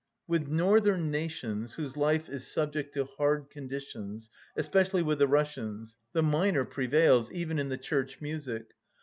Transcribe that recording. With northern nations, whose life is subject to hard conditions, especially with the Russians, the minor prevails, even in the church music.